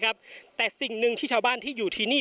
พร้อมด้วยผลตำรวจเอกนรัฐสวิตนันอธิบดีกรมราชทัน